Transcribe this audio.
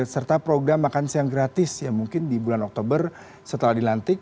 serta program makan siang gratis yang mungkin di bulan oktober setelah dilantik